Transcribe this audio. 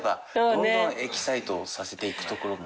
どんどんエキサイトさせていくところも。